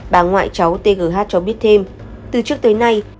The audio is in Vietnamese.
bà ngoại cháu t g h cho biết thêm từ trước tới nay